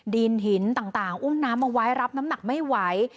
ดินหินต่างอุ้มน้ำเอาไว้รับน้ำหนักไม่ไหว